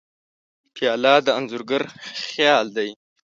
پیاله د انځورګر خیال دی.